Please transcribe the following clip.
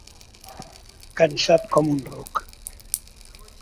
Cansat com un ruc.